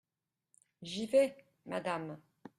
J’y vais, madame.